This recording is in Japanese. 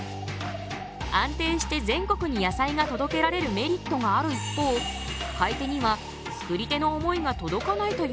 安定して全国に野菜が届けられるメリットがある一方買い手には作り手の思いが届かないというデメリットも。